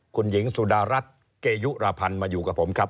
คุณหญิงสุดารัฐเกยุรพันธ์มาอยู่กับผมครับ